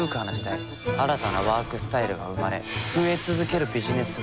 新たなワークスタイルが生まれ増え続けるビジネスワード。